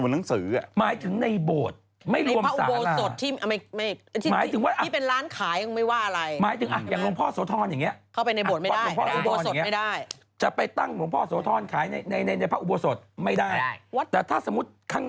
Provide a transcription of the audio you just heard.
เหมือนกับมายั่วยย่นเขาท่านก่อน